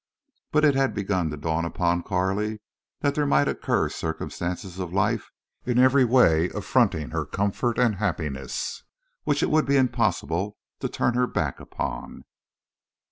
But it had begun to dawn upon Carley that there might occur circumstances of life, in every way affronting her comfort and happiness, which it would be impossible to turn her back upon.